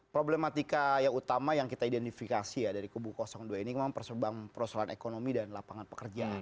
problematika yang utama yang kita identifikasi ya dari kubu dua ini memang persoalan ekonomi dan lapangan pekerjaan